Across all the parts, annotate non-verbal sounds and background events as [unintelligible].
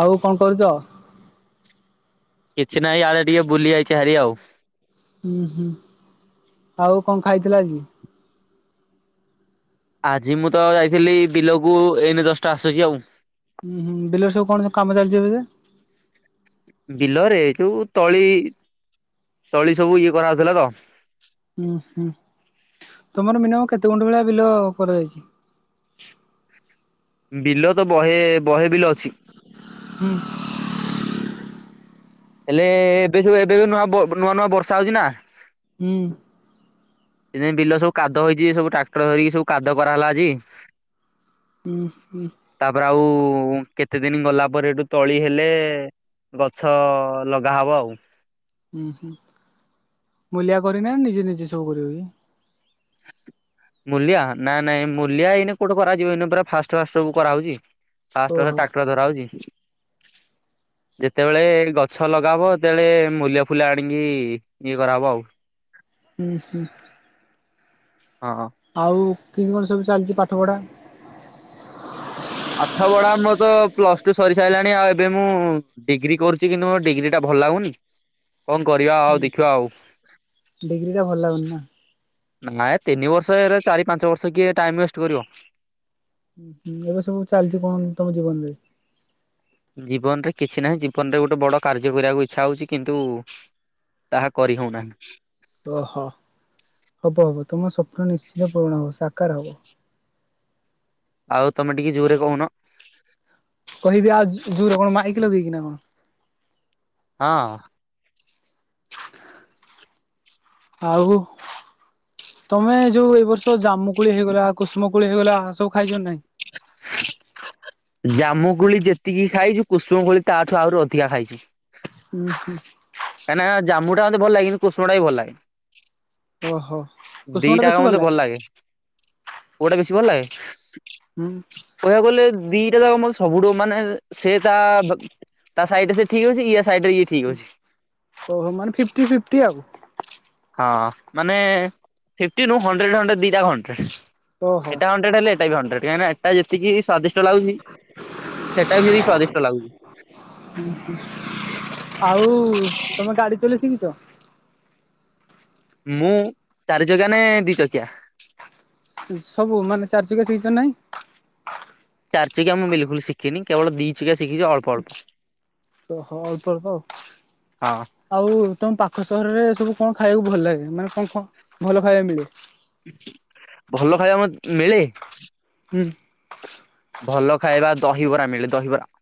ଆଉ କଣ କରୁଚ? କିଛି ନାହିଁ ଆଡ଼େ ଟିକେ ବୁଲି ଆଇଛି ହାରି ଆଉ। ହୁଁ ହୁଁ ଆଉ କଣ ଖାଇଥିଲ ଆଜି? ଆଜି ମୁଁ ତ ଯାଇଥିଲି ବିଲକୁ ଏଇନେ ଜଷ୍ଟ ଆସୁଛି ଆଉ। ଉୁଁ ହୁଁ ବିଲର ସବୁ କଣ ସ କାମ ଚାଲିଛି ଏବେ ଯେ ବିଲରେ ଯୋଉ ତଳି ତଳି ସବୁ ଇଏ କରାଉଥିଲା ତ। ଉୁଁ ହୁଁ ତମର ମିନିମମ କେତେ ଗୁଣ୍ଟ ଭଳିଆ ବିଲ କରାଯାଇଛି। ବିଲ ତ ବହେ ବହେ ବିଲ ଅଛି। ହଁ। ହେଲେ ଏବେ ସବୁ ଏବେ ବି ନୂଆ ନୂଆ ନୂଆ ବର୍ଷା ହଉଛି ନା। ହୁଁ। ସେଇଥି ପାଇଁ ବିଲ ସବୁ କାଦ ହେଇଛି ସବୁ ଟ୍ରାକ୍ଟର ଧରିକି ସବୁ କାଦ କରାହେଲା ଆଜି। ହୁଁ ହୁଁ। ତାପରେ ଆଉ କେତେ ଦିନ ଗଲା ପରେ ଏଠୁ ତଳି ହେଲେ ଗଛ ଲଗା ହବ ଆଉ। ହୁଁ ହୁଁ ମୁଲିଆ କରିନାହଁନ୍ତି ନିଜେ ନିଜେ ସବୁ କରିବ କି। ହ। ମୂଲିଆ ନାଇଁ ନାଇଁ ମୂଲିଆ ଏଇନେ କୋଠି କରାଯିବ ଏଇନ ପୁରା ଫାଷ୍ଟ ଫାଷ୍ଟ ସବୁ କରାଉଚି। ଫାଷ୍ଟ ହେରା ଓହୋ ଟ୍ରାକ୍ଟର ଦ୍ଵାରା ହଉଚି। ଯେତେବେଳେ ଗଛ ଲଗା ହବ ସେତେବେଳେ ମୂଲିଆ ଫୁଲିଆ ଆଣିକି ଇଏ କରାହବ ଆଉ। ହୁଁ ହୁଁ। ହଁ। ଆଉ କିମି କଣ ସବୁ ଚାଲିଛି ପାଠ ପଢା। ପାଠ ପଢା ମୋର ତ ପ୍ଲସ ଟୁ ସରି ସାରିଲାଣି ଆଉ ଏବେ ମୁଁ ଡିଗ୍ରୀ କରୁଛି କିନ୍ତୁ ମୋ ଡିଗ୍ରୀ ଟା ଭଲ ଲାଗୁନି କଣ କରିବା ଆଉ ଦେଖିବା ଆଉ ଡିଗ୍ରୀଟା ଭଲ ଲାଗୁନି ନା। ନାଇ ତିନି ବର୍ଷ ଏରା ଚାରି ପାଞ୍ଚ ବର୍ଷ କିଏ ଟାଇମ ୱେଷ୍ଟ କରିବ। ହୁଁ ଏବେ ସବୁ ଚାଲିଚି କଣ ତମ ଜୀବନ ରେ। ଜୀବନରେ କିଛି ନାହିଁ ଜୀବନରେ ଗୋଟେ ବଡ କାର୍ଯ୍ୟ କରିବାକୁ ଇଚ୍ଛା ହଉଛି କିନ୍ତୁ ତାହା କରି ହଉନାହିଁ। ଓ ହ ହବ ହବ ତୁମ ସ୍ୱପ୍ନ ନିଶ୍ଚିିତ ପୂରଣ ହବ ସାକାର ହବ। ଆଉ ତମେ ଟିକେ ଜୋରେ କହୁନ। କହିବି ଆଉ ଜ ଜୋର କଣ ମାଇକି ଲଗେଇକି ନା କଣ। ହଁ। ଆଉ। ତମେ ଯୋଉ ଏଇ ବର୍ଷ ଜାମୁ କୋଳି ହେଇଗଲା କୁଷ୍ମ କୋଳି ହେଇଗଲା ସବୁ ଖାଇଛ ନାହିଁ। ଜାମୁ କୋଳି ଯେତିକି ଖାଇଛୁ କୁଷ୍ମ କୋଳି ତାଠୁ ଆହୁରି ଅଧିକା ଖାଇଚି। ହୁଁ ହୁଁ। କାଇଁ ନା ଜାମୁଟା ମତେ ଭଲ ଲାଗେନି କୁଷ୍ମଟା ହିଁ ଭଲ ଲାଗେ। ଓହୋ। ଦି ଟା ଯାକ ମତେ ଭଲ ଲାଗେ କୋଉଟା ବେଶୀ ଭଲ ଲାଗେ। ହୁଁ। କହିବାକୁ ଗଲେ ଦିଟା ଯାକ ମତେ ସବୁଠୁ ମାନେ ସେ ତା ତା ସାଇଡ଼ ରେ ସେ ଠିକ୍ ଅଛି ୟା ସାଇଡ଼ ରେ ଇଏ ଠିକ୍ ଅଛି। ଓହୋ ମାନେ ଫିଫ୍ଟି ଫିଫ୍ଟି ଆଉ ହଁ ମାନେ ଫିପ୍ଟି ନୁହଁ ହଣ୍ଡ୍ରେଡ଼ ହଣ୍ଡ୍ରେଡ଼ ଦିଟା ଯାକ ଓହୋ। ହଣ୍ଡ୍ରେଡ଼ ଏଟା ହଣ୍ଡ୍ରେଡ଼ ହେଲେ ଏଟା ବି ହଣ୍ଡ୍ରେଡ଼ କାହିଁକି ନା ଏଟା ଯେତିକି ସ୍ୱାଦିଷ୍ଟ ଶିତ ଲାଗୁଛି। ସେଟା ବି ସ୍ୱାଦିଷ୍ଟ ଲାଗୁଛି। ଆଉ ତମେ ଗାଡ଼ି ଚଲେଇ ଶିଖିଛ। ମୁଁ ଚାରି ଚକିଆ ନେ ଦି ଚକିଆ। ସବୁ ମାନେ ଚାରି ଚକିଆ ଠି କିସେ ନାଇଁ। ଚାରି ଚକିଆ ମୁଁ ବିଲକୁଲ ଶିଖିନି କେବଳ ଦି ଚିକିଆ ଶିଖିଛି ଅଳ୍ପ ଅଳ୍ପ। ଓ ହଁ ଅଳ୍ପ ଅଳ୍ପ ଆଉ। ହଁ ଆଉ ତମ ପାଖ ସହରରେ ସବୁ କଣ ଖାଇବାକୁ ଭଲ ଲାଗେ ମାନେ କଣ କଣ ଭଲ ଖାଇବା ମିଳେ? ଭଲ ଖାଇବା ମତ୍ ମିଳେ। ହୁଁ। ଭଲ ଖାଇବା ଦହିବରା ମିଳେ ଦହିବରା।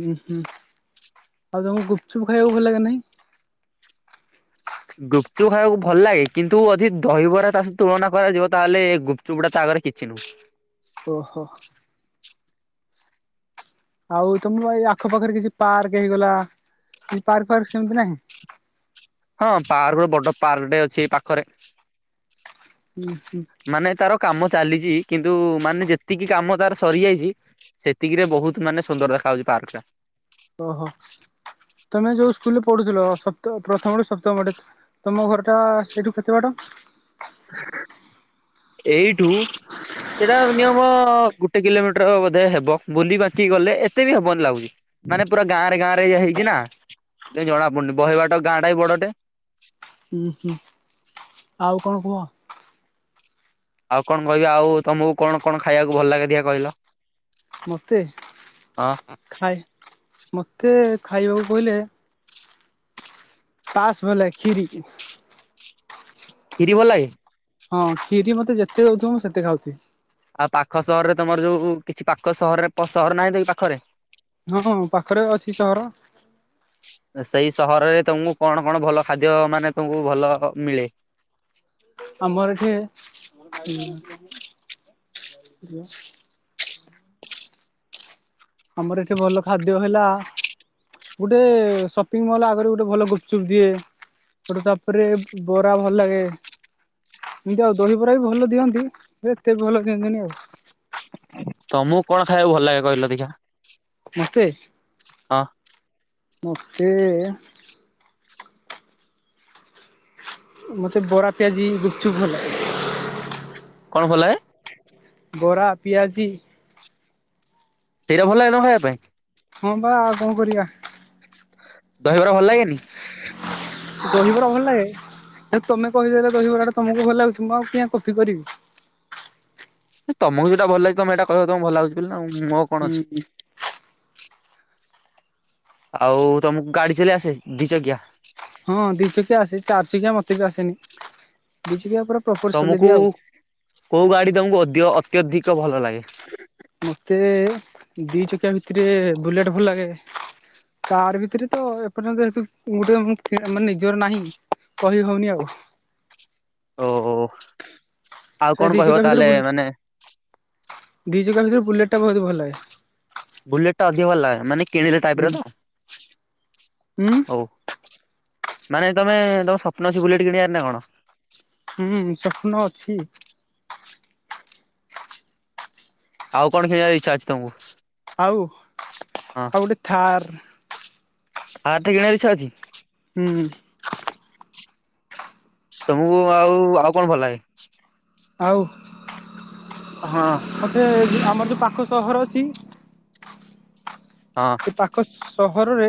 ହୁଁ ହୁଁ ଆଉ ତମକୁ ଗୁପଚୁପ ଖାଇବାକୁ ଭଲ ଲାଗେ ନା ନାହିଁ। ଗୁପଚୁପ ଖାଇବାକୁ ଭଲ ଲାଗେ କିନ୍ତୁ ଯଦି ଦହିବରା ତା ସହ ତୁଳନା କରାଯିବ ତାହେଲେ ଗୁପ ଚୂଡ଼ା ତା ଆଗରେ କିଛି ନୁହଁ। ଓହୋ। ଆଉ ତମର ଏଇ ଆଖପାଖରେ କିଛି ପାର୍କ ହେଇଗଲା କି ପାର୍କ ଫାର୍କ ସେମିତି ନାହିଁ। ହଁ ପାର୍କ ଗୋଟେ ବଡ଼ ପାର୍କଟେ ଅଛି ଏଇ ପାଖରେ। ହୁଁ ହୁଁ। ମାନେ ତାର କାମ ଚାଲିଛି କିନ୍ତୁ ମାନେ ଯେତିକି କାମ ତାର ସରିଯାଇଛି ସେତିକି ରେ ବହୁତ ମାନେ ସୁନ୍ଦର ଦେଖାଯାଉଛି ପାର୍କଟା। ଓହୋ ତମେ ଯୋଉ ସ୍କୁଲରେ ପଢୁଥିଲ ସପ୍ତମ ପ୍ରଥମ ରୁ ସପ୍ତମ ପାଠ ତମ ଘର ଟା ସେଇଠୁ କେତେ ବାଟ। ଏଇଠୁ ସେଇଟା ମିନିମମ ଗୋଟେ କିଲୋମିଟର ବୋଧେ ହେବ ବୁଲି ବାଙ୍କି ଗଲେ ଏତେ ବି ହେବନି ଲାଗୁଛି। ମାନେ ପୁରା ଗାଁ ରେ ଗାଁରେ ଇଏ ହେଇଛି ନା ତ ଜଣା ପଡ଼ୁନି ବହେ ବାଟ ଗାଁ ଟା ବି ବଡ଼ଟେ। ହୁଁ ହୁଁ ଆଉ କଣ କୁହ। ଆଉ କଣ କହିବି ଆଉ ତମକୁ କଣ କଣ ଖାଇବାକୁ ଭଲ ଲାଗେ ଟିକେ କହିଲ। ମତେ ହଁ ଖାଇ ମତେ ଖାଇବାକୁ କହିଲେ ପାସ ଭଲଲାଗେ ଖିରି। ଖିରି ଭଲଲାଗେ। ହଁ ଖିରି ମତେ ଯେତେ ଦଉଥିବ ମୁଁ ସେତେ ଖାଉଥିବି। ଆଉ ପାଖ ସହରରେ ତମର ଯୋଉ କିଛି ପାଖ ସହରରେ ପ ସହର ନାହିଁ ତମ ପାଖରେ। ହଁ ପାଖରେ ଅଛି ସହର। ସେଇ ସହରରେ ତମକୁ କଣ କଣ ଭଲ ଖାଦ୍ୟ ମାନେ ତମକୁ ଭଲ ମିଳେ। ଆମର ଏଠି ହ ଆମର ଏଠି ଭଲ ଖାଦ୍ୟ ହେଲା ଗୋଟେ ସପିଙ୍ଗ ମଲ ଆଗରେ ଗୋଟେ ଭଲ ଗୁପଚୁପ ଦିଏ ଏପଟେ ତାପରେ ବରା ଭଲ ଲାଗେ ଏମିତି ଆଉ ଦହି ବରା ବି ଭଲ ଦିଅନ୍ତି ଏତେ ବି ଭଲ କିଅନ୍ତିନି ଆଉ ତମକୁ କଣ ଖାଇବାକୁ ଭଲ ଲାଗେ କହିଲ ଦେଖା? ମତେ ମୋତେ ଏ ମତେ ବରା ପିଆଜି ଗୁପଚୁପ ଭଲ କଣ ଭଲାଏ ବରା ପିଆଜି ସେଇଟା ଭଲ ଲାଗେ ତମକୁ ଖାଇବା ପାଇଁ ହଁ ବା ଆଉ କଣ କରିବା ଦହିବରା ଭଲ ଲାଗେନି ଦହିବରା ଭଲ ଲାଗେ ତମେ କହିଦେଲେ ଦହିବରାଟା ତମକୁ ଭଲ ଲାଗୁଛି ମୁଁ ଆଉ କିଆଁ କଫି କରିବି ତମକୁ ଯୋଉଟା ଭଲ ଲାଗଛି ତମେ ହେଟା କର ତମକୁ ଭଲ ଲାଗୁଛି ବୋଲି ନା ଆଉ ମୋ ହୁଁ ହୁଁ ଆଉ ତମକୁ ଗାଡି ଚଲେଇ ଆସେ ଦି ଚକିଆ ହଁ ଦି ଚକିଆ ଆସେ ଚାରି ଚକିଆ ମତେ ବି ଆସେନି ଦି ଚକିଆ ପରା ତମକୁ କୋଉ ଗାଡି ତମକୁ ଅ ଅତ୍ୟଧିକ ଭଲ ଲାଗେ ମତେ ଦି ଚକିଆ ଭିତରେ ବୁଲେଟ ଭଲ ଲାଗେ କାର ଭିତରେ ତ ଏପର୍ଯ୍ୟନ୍ତ ଗୋଟେ ମାନେ ନିଜର ନାହିଁ କହି ହଉନି ଆଉ ଓହୋ ଆଉ ସେ କଣ କହିବ ତାହେଲେ ମାନେ ଦୁଇ ଚକିଆ ଭିତରେ ବୁଲେଟ୍ ଟା ବହୁତ ଭଲେ ବୁଲେଟ ଟା ଅଧିକ ଭଲ ଲାଗେ ମାନେ କିଣିଲେ ଟାଇପ ର ତ ହୁଁ ହଉ ମାନେ ତମେ ତମ ସ୍ୱପ୍ନ ଅଛି ବୁଲେଟ କିଣିବାର ନା କଣ ହୁଁ ସ୍ୱପ୍ନ ଅଛି ଆଉ କଣ କିଣିବାର ଇଚ୍ଛା ଅଛି ତମକୁ ଆଉ ହଁ ଆଉ ଗୋଟେ ଥାର୍ ଥାର୍ ଟେ କିଣବାର ଇଚ୍ଛା ଅଛି ହୁଁ ତମକୁ ଆଉ ଆଉ କଣ ଭଲ ଲାଗେ ଆଉ ହଁ ମୋତେ ଆମର ଯେଉଁ ପାଖ ସହର ଅଛି ହଁ ତାଙ୍କ ସହରରେ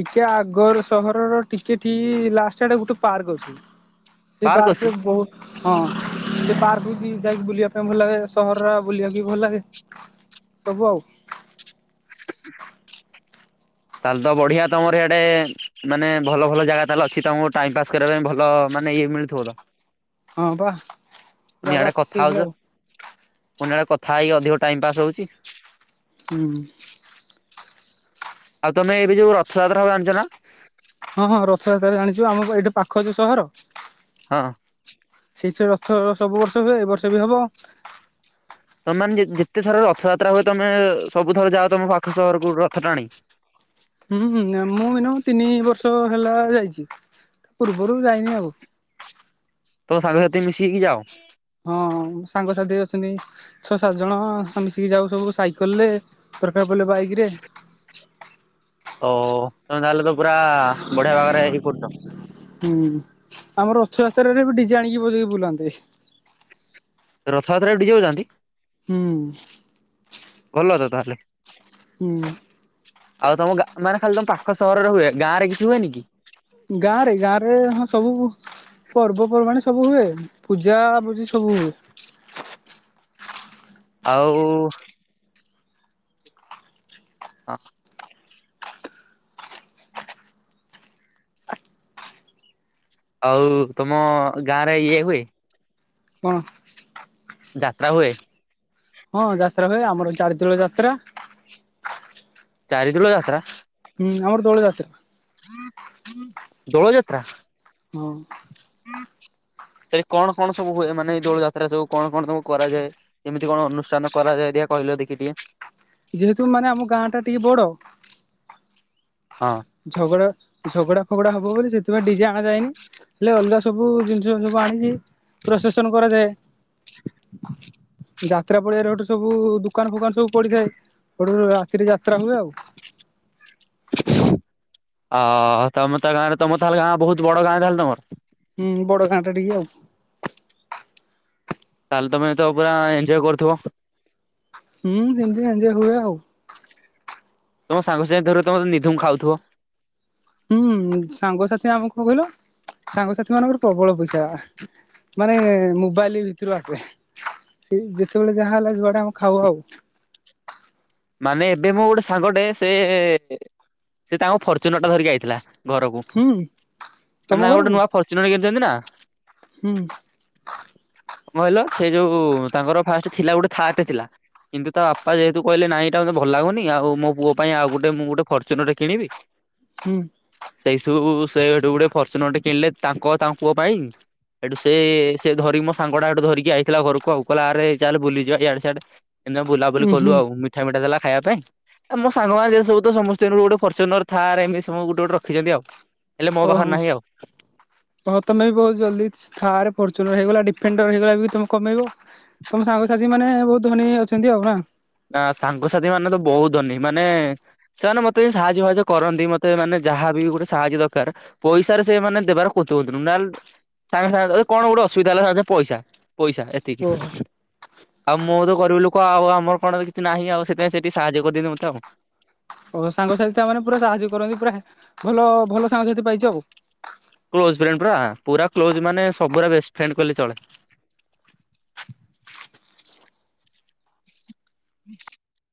ଟିକେ ଆଗର ସହରର ଟିକେ ଠିକ ଲାଷ୍ଟଆଡେ ଗୋଟେ ପାର୍କ ଅଛି ସେଇ ପାର୍କ ରେ ବହୁତ ହଁ ସେ ପାର୍କ ବି ଯାଇକି ବୁଲିବା ପାଇଁ ଭଲ ଲାଗେ ସହର ବୁଲିବାକୁ ବି ଭଲ ଲାଗେ ସବୁ ଆଉ [unintelligible] ତାହେଲେ ତ ବଢିଆ ତମର ଇଆଡେ ମାନେ ଭଲ ଭଲ ଜାଗା ତାହେଲେ ଅଛି ତମକୁ ଟାଇମ ପାସ୍ କରିବା ପାଇଁ ଭଲ ମାନେ ଇଏ ମିଳୁ ଥିବତ ହଁ ବା ପୁଣି ଜାଗା ଇଆଡେ ଅଛି କଥା ସେଇଭଳିଆ ହଉଛ ଆଉ। ପୁଣି ଇଆଡେ କଥା ହେଇକି ଅଧିକ ଟାଇମ ପାସ୍ ହଉଛି ହୁଁ ଆଉ ତମେ ଏବେ ଯୋଉ ରଥଯାତ୍ରା ହେବ ଜାଣିଛ ନା ହଁ ହଁ ରଥଯାତ୍ରା ଜାଣିଛୁ ଆମର ଏଇଠି ପାଖ ଯେ ସହର ହଁ ସେଇ ଯଉ ରଥ ସବୁ ବର୍ଷ ହୁଏ ଏ ବର୍ଷ ବି ହବ। ତମେମାନେ ଯେତେ ଥର ରଥଯାତ୍ରା ହୁଏ ତମେ ସବୁ ଥର ଯାଅ ତମ ପାଖ ସହରକୁ ଯାଅ ରଥ ଟାଣି? ହୁଁ ମୁଁ ଏଇନା ତିନି ବର୍ଷ ହେଲା ଯାଇଛି ପୂର୍ବରୁ ଯାଇନି ଆଉ। ତୋ ସାଙ୍ଗସାଥି ମିଶିକି ଯାଅ। ହଁ ସାଙ୍ଗସଥି ଅଛନ୍ତି। ଛଅ ସାତ ଜଣ ଆମେ ମିଶିକି ଯାଉ ସବୁ ସାଇକେଲ ରେ ଦରକାର ପଡ଼ିଲେ ବାଇକ ରେ। ଓ ତମେ ତାହେଲେ ତ ପୁରା ବଢିଆ ଭାବରେ ଇଏ କରୁଛ। ହୁଁ ଆମର ରଥଯାତ୍ରାରେ ବି ଡିଜେ ଆଣିକି ବଜେଇକି ବୁଲାନ୍ତି। ରଥଯାତ୍ରାରେ ବି ଡିଜେ ବଜାନ୍ତି? ହୁଁ। ଭଲ ତ ତାହେଲେ। ହୁଁ। ଆଉ ତମ ଗା ମାନ ଖାଲି ତମ ପାଖ ସହରରେ ଖାଲି ହୁଏ, ଗାଁରେ କିଛି ହୁଏନି କି? ଗାଁରେ ଗାଁ ରେ ହଁ ସବୁ ପର୍ବପର୍ବାଣି ସବୁ ହୁଏ ପୂଜା ପୂଜିି ସବୁ ହୁଏ। ଆଉ [unintelligible] ଆଉ ତମ ଗାଁରେ ଇଏ ହୁଏ? କଣ? ଯାତ୍ରା ହୁଏ? ହଁ, ଯାତ୍ରା ହୁଏ ଆମର ଚାରି ଦୋଳ ଯାତ୍ରା। ଚାରି ଦୋଳ ଯାତ୍ରା? ହୁଁ, ଆମର ଦୋଳଯାତ୍ରା। ଦୋଳ ଯାତ୍ରା? ହଁ। ସେଇ କଣ କଣ ସବୁ ହୁଏ ମାନେ ଏଇ ଦୋଳ ଯାତ୍ରା ସବୁ କଣ କଣ ସବୁ କରାଯାଏ? କେମିତି କଣ ଅନୁଷ୍ଠାନ କରାଯାଏ ଦେଖିଆ କହିଲ ଦେଖି ଟିକେ। ଯେହେତୁ ମାନେ ଆମ ଗାଁ ଟା ଟିକେ ବଡ ହଁ। ଝଗଡା ଝଗଡା ଫଗଡା ହବ ବୋଲି ସେଥିପାଇଁ ଡିଜେ ଆଣା ଯାଏନି ହେଲେ ଅଲଗା ସବୁ ଜିନିଷ ଯଉ ଶବକୁ ଆଣିକି ପ୍ରୋସେସନ କରାଯାଏ। ଯାତ୍ରା ପଡିଆରେ ହେଠୁ ସବୁ ଦୁକାନ ଫୋକାନ ସବୁ ପଡିଥାଏ ରାତିରେ ଯାତ୍ରା ହୁଏ ଆଉ। ଆଁ ତମେ ତ ଗାଁରେ ତମର ତାହଲେ ଗାଁ ବହୁତ ବଡ ଗାଁ ତାହେଲେ ତମର? ହୁଁ ବଡ ଗାଁ ଟା ଟିକେ ଆଉ। ତାହେଲେ ତମେ ତ ପୁରା ଏଞ୍ଜୟ୍ କରୁଥିବ? ହୁଁ ସେମିତି ଏଞ୍ଜୟ୍ ହୁଏ ଆଉ। ତମ ସାଙ୍ଗ ସାଥି ଧରି ତମେ ନିଧୁମ ଖାଉଥିବ? ହୁଁ ସାଙ୍ଗସାଥି ଆମକୁ କଣ କହିଲ ସାଙ୍ଗସାଥି ମାନଙ୍କର ପ୍ରବଳ ପଇସା। ମାନେ ମୋବାଇଲ ଭିତରୁ ଆସେ। ସେ ଯେତେବେଳେ ଯାହା ହେଲା ଯୁଆଡେ ଆମେ ଖାଉ ଆଉ। ମାନେ ଏବେ ମୁଁ ଗୋଟେ ସାଙ୍ଗଟେ ସେ ଏ ତାଙ୍କ ଫର୍ଚୁନର ଟା ଧରିକି ଆଇଥିଲା। ଘରକୁ ହୁଁ ତମ ମାନେ ଗୋଟେ ଘରକୁ ନୂଆ ଫର୍ଚୁନର କିଣିଛନ୍ତି ନା? ହୁଁ। କ କହିଲ ସେ ଯୋଉ ତାଙ୍କର ଫାଷ୍ଟ ଥିଲା ଗୋଟେ ଥାର୍ରେ ଟେ ଥିଲା। କିନ୍ତୁ ତା ବାପା ଯେହେତୁ କହିଲେ ନାଇଁ ଏଇଟା ମୋତେ ଭଲ ଲାଗୁନି ଆଉ ମୋ ପୁଅ ପାଇଁ ଆଉ ଗୋଟ ମୁଁ ଗୋଟେ ଫର୍ଚୁନର କିଣିବି। ହୁଁ। ସେଇ ସବୁ ସେହେଇଠୁ ଗୋଟେ ଫର୍ଚୁନରଟେ କିଣିଲେ ତାଙ୍କ ତା ପୁଅ ପାଇଁ। ଏଠୁ ସେ ସେ ଧରିକି ମୋ ସାଙ୍ଗଟା ଏଠୁ ଧରିକି ଆଇଥିଲା ଘରକୁ ଆଉ କହିଲା ଆରେ ଚାଲେ ବୁଲିଯିବା ଇଆଡେ ସିଆଡେ। ଏମିତିଆ ଉଁ ବୁଲାବୁଲି କଲୁ ହୁଁ ଆଉ ମିଠା ମିଠା ଦେଲା ଖାଇବା ପାଇଁ ମୋ ସାଙ୍ଗମାନେ ସବୁ ତ ସମ [unintelligible] ଫ୍ୟଚୁନର ଥାର୍ ଏମିତି ଗୋଟେ ଗୋଟେ ରଖିଛନ୍ତି ଆଉ ହେଲେ ମୋ ପାଖରେ ଓହୋ ନାହିଁ ଆଉ। ହଁ ତମେ ବି ବହୁତ ଜଲ୍ଦି ଥାର ଫର୍ଚୁନର ହେଇଗଲା ଡିଫେଣ୍ଡର ହେଇଗଲା ବି ତମେ କମେଇବ। ତମ ସାଙ୍ଗସାଥି ମାନେ ବହୁତ ଧନୀ ଅଛନ୍ତି ଆଉ ନା? ନା ସାଙ୍ଗସାଥି ମାନେ ତ ବହୁତ ହନି ମାନେ ସେମାନେ ମୋତେ ସାହାଯ୍ୟ ସାହାଜ୍ୟ କରନ୍ତି ମୋତେ ମାନେ ଯାହାବି ଗୋଟେ ସାହାଯ୍ୟ ଦରକାର। ପଇସାରେ ସେମାନେ ଦେବାର କୁଂଥୁ କୁଂଥୁ ନହେଲେ ସାଙ୍ଗେ ସାଙ୍ଗେ କଣ ଗୋଟେ ଅସୁବିଧା ହେଲା ପଇସା ପଇସା ଏତିକି। ଓହୋ। ଆଉ ମୁଁ ତ ଗରିବି ଲୁକ କହ ଆଉ ଆମର କଣ କି ନାହିଁ ଆଉ ସେଥିାଇଁ ସେଠି ସାହାଯ୍ୟ କରିଦଅ ମୋତେ ଆଉ। ଓ ସାଙ୍ଗସାଥି ତାମାନେ ପୁରା ସାହାଯ୍ୟ କରନ୍ତି ପୁରା ଭଲ ଭଲ ସାଙ୍ଗସାଥି ପାଇଛ ଆଉ। କ୍ଲୋଜଫ୍ରେଣ୍ଡ ପୁରା ପୁରା କ୍ଲୋଜ ମାନେ ସବୁରା ବେଷ୍ଟ ଫ୍ରେଣ୍ଡ କହିଲେ ଚଳେ। ହୁଁ।